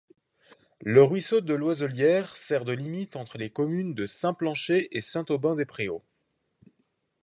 Le ruisseau de l'Oiselière sert de limite entre les communes de Saint-Planchers et Saint-Aubin-des-Préaux.